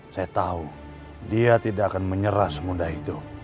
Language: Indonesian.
saya tahu dia tidak akan menyerah semudah itu